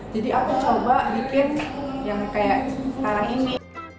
jadi aku coba bikin yang kayak sekarang ini